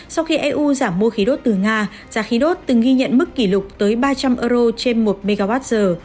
sau khi eu giảm mua khí đốt từ nga giá khí đốt từng ghi nhận mức kỷ lục tới ba trăm linh euro trên một mwh